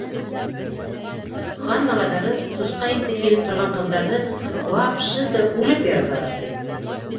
Хан малайҙары сусҡа еҫе килеп торған ҡыҙҙарҙы вапшы-ты үлеп яраталар, ти!